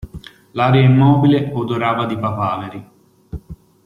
L'aria immobile odorava di papaveri.